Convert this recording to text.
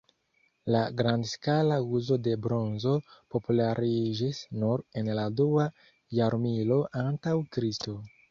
La grandskala uzo de bronzo populariĝis nur en la dua jarmilo antaŭ Kristo.